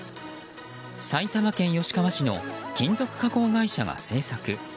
埼玉県吉川市の金属加工会社が製作。